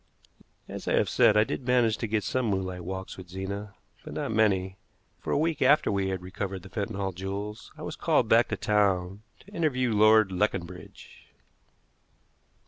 As I have said, I did manage to get some moonlight walks with Zena, but not many, for a week after we had recovered the Fenton Hall jewels I was called back to town to interview Lord Leconbridge.